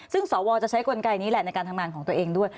ซึ่งสวจะใช้กลไกนี้แหละในการทำงานของตัวเองด้วย